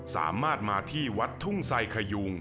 สามารถมาที่วัดทุ่งไซคยุง